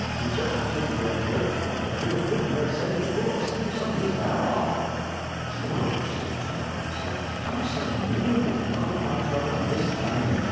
De Jedge didn't git hurt, but I hear Pudd'nhead say de bullet snip some o' his ha'r off." "'George!" said Tom to himself, "to come so near being out of my trouble, and miss it by an inch.